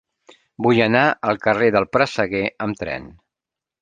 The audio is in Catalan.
Vull anar al carrer del Presseguer amb tren.